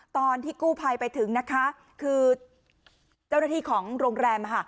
ตอนที่กู้ภัยไปถึงนะคะคือเจ้าหน้าที่ของโรงแรม